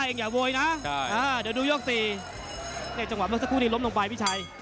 เอาแล้วดิ